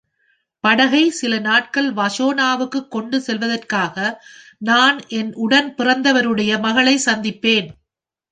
படகைச் சில நாட்கள் வஷோனுக்குக் கொண்டுசெல்வதற்காக நான் என் உடன்பிறந்தவருடைய மகளைச் சந்திப்பேன்.